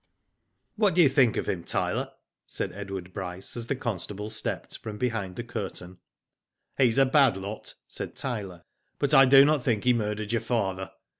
''What do you think of him, Tyler?" said Edward Bryce as the constable stepped from behind the curtain. *'He's a bad lot," said Tyler; '*but I do not think he murdered your father.